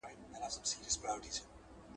• د گران رانيول څه دي، د ارزان خرڅول څه دي.